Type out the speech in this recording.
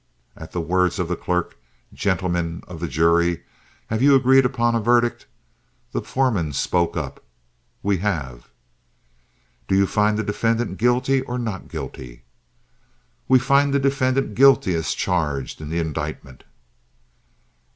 At the words of the clerk, "Gentlemen of the jury, have you agreed upon a verdict?" the foreman spoke up, "We have." "Do you find the defendant guilty or not guilty?" "We find the defendant guilty as charged in the indictment."